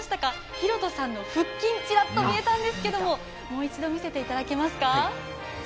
寛飛さんの腹筋、ちらっと見えたんですけれども、もう一度、見せていただけますか？